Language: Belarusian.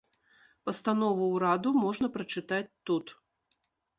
Пастанову ўраду можна прачытаць тут.